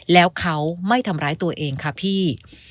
แล้วเขาไม่ทำร้ายตัวเองค่ะพี่